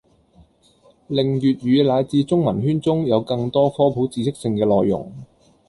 令粵語乃至中文圈中有更多科普知識性嘅內容